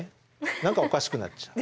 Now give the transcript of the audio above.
何かおかしくなっちゃう。